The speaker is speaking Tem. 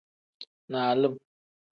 Nalim.